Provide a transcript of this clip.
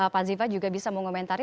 pak ziva juga bisa mengomentari